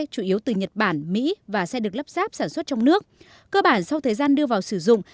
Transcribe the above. chủ yếu từ nhật bản mỹ và sẽ được lắp ráp sản xuất trong nước cơ bản sau thời gian đưa vào sử dụng